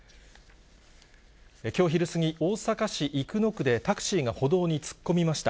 きょう昼過ぎ、大阪市生野区で、タクシーが歩道に突っ込みました。